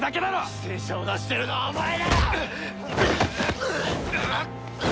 犠牲者を出してるのはお前だろ！